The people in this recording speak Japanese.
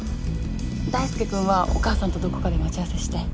大輔君はお母さんとどこかで待ち合わせして。